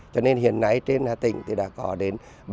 cho nên hiện nay trên tỉnh thì đã có đến